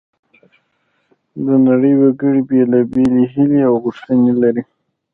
د نړۍ وګړي بیلابیلې هیلې او غوښتنې لري